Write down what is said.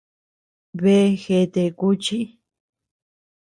Bea gèète kuchi.